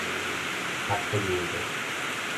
Castanheiras